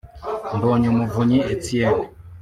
Mbonyumuvunyi Etienne